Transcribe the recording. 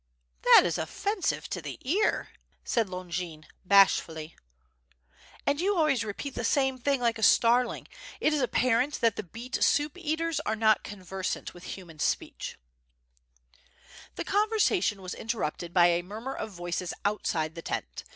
"That is offensive to the ear," said Longin bashfully. "And you always repeat the same thing like a starling, it ifl apparent that the Beet soup eaters are not conversant with human speech." WITH mm AND SWORD. y^j The conversation was interrupted by a murmur of voices outside the tent.